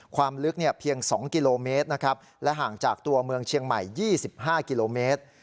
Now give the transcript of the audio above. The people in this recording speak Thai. ความลึกเพียง๒กิโลเมตรนะครับและห่างจากตัวเมืองเชียงใหม่๒๕กิโลเมตร